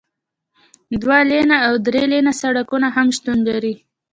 دوه لینه او درې لینه سړکونه هم شتون لري